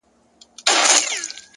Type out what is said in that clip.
خپل فکرونه لوړ وساتئ!.